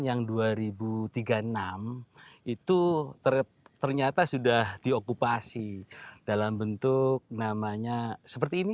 yang dua ribu tiga puluh enam itu ternyata sudah diokupasi dalam bentuk namanya seperti ini